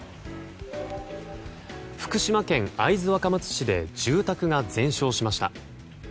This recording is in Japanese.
福島県会津若松市で住宅が全焼しました。